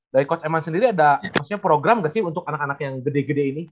dari coach eman sendiri ada maksudnya program nggak sih untuk anak anak yang gede gede ini